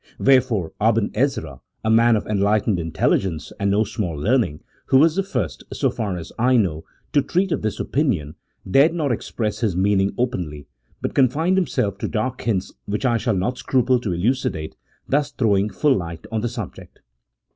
"Wherefore, Aben Ezra, CHAP. VIII.] THE AUTHORSHIP OF THE PENTATEUCH. 121 a man of enlightened intelligence, and no small learning, who was the first, so far as I know, to treat of this opinion, dared not express his meaning openly, but confined him self to dark hints which I shall not scruple to elucidate, thus throwing full light on the subject.